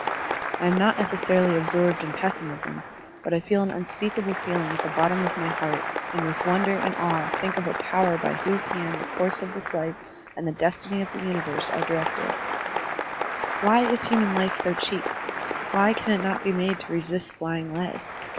I am not necessarily absorbed in pessimism, but I feel an unspeakable feeling at the bottom of my heart and with wonder and awe think of a power by whose hand the course of this life and the destiny of the universe are directed. Digitized by Google ^o8 SERMONS OP A BUDDHIST ABBOT Why is human life so cheap? Why can it not be made to resist flying lead?